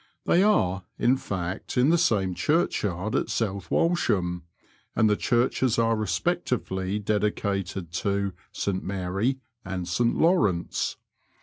They are, in fact, in the same churchyard at South Walsham, and the churches are respectively dedicated to St Mary and Bt Lawrence.